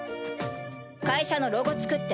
会社のロゴ作って。